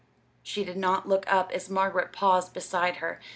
She did not look up as Margaret paused beside her.